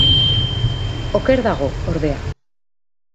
Oker dago, ordea.